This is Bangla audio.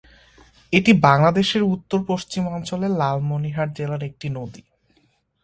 এটি বাংলাদেশের উত্তর-পশ্চিমাঞ্চলের লালমনিরহাট জেলার একটি নদী।